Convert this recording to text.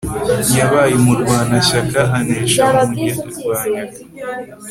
yabaye umurwanashyaka anesha abamurwanyaga